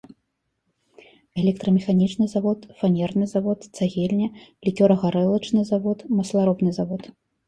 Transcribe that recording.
Электрамеханічны завод, фанерны завод, цагельня, лікёрагарэлачны завод, масларобны завод.